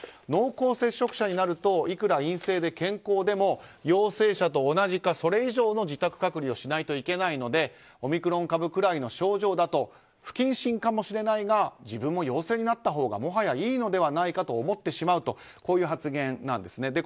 濃厚接触者になるといくら陰性で健康でも陽性者と同じかそれ以上の自宅隔離をしないといけないのでオミクロン株くらいの症状だと不謹慎かもしれないが自分も陽性になったほうがもはやいいのではないかと思ってしまうとこういう発言なんですね。